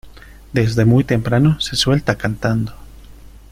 Desde muy temprano se suelta cantando.